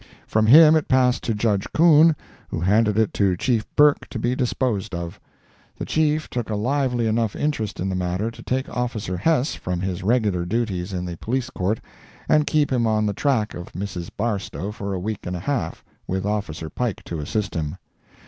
From him it passed to Judge Coon, who handed it to Chief Burke to be disposed of. The Chief took a lively enough interest in the matter to take officer Hess from his regular duties in the Police Court and keep him on the track of Mrs. Barstow for a week and a half, with Officer Pike to assist him.